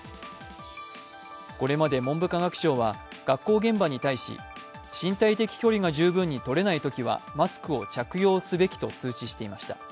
これまで文部科学省は学校現場に対し、身体的距離が十分にとれないときはマスクを着用すべきと通知していました。